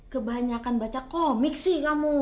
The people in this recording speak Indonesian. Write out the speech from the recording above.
kebanyakan baca komik sih kamu